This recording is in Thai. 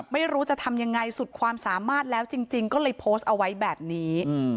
ไม่รู้จะทำยังไงสุดความสามารถแล้วจริงก็เลยโพสต์เอาไว้แบบนี้